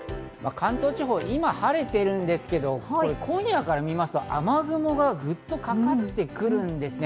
関東地方、今晴れているんですけれど、今夜から見ますと、雨雲がぐっとかかってくるんですね。